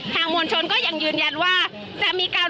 มวลชนก็ยังยืนยันว่าจะมีการ